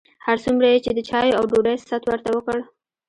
هر څومره یې چې د چایو او ډوډۍ ست ورته وکړ.